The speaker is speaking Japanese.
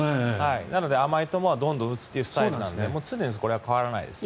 なので、甘い球はどんどん打つというスタイルなので常にそこら辺は変わらないですね。